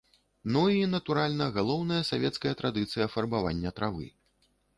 Ну і, натуральна, галоўная савецкая традыцыя фарбавання травы.